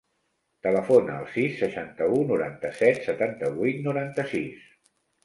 Telefona al sis, seixanta-u, noranta-set, setanta-vuit, noranta-sis.